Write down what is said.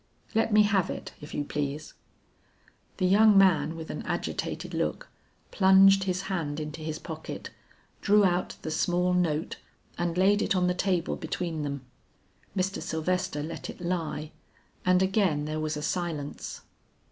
"Let me have it, if you please." The young man with an agitated look, plunged his hand into his pocket, drew out the small note and laid it on the table between them. Mr. Sylvester let it lie, and again there was a silence.